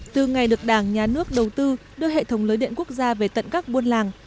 từ ngày được đảng nhà nước đầu tư đưa hệ thống lưới điện quốc gia về tận các buôn làng